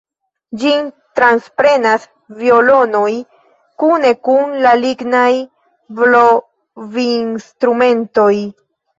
Ĝin transprenas violonoj kune kun la lignaj blovinstrumentoj.